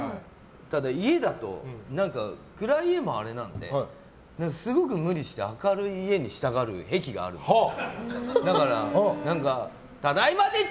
ただ、家だと暗い家もあれなのですごく無理して明るい家にしたがる癖があるんですね。